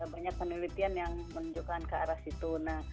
banyak penelitian yang menunjukkan ke arah situ